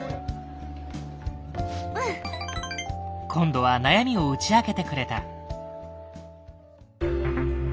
今度は悩みを打ち明けてくれた。